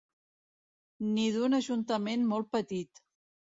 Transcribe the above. Ni d’un ajuntament molt petit.